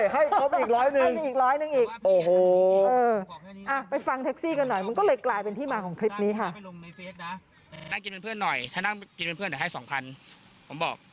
ให้ตังค์ไปอีกร้อยหนึ่งอีก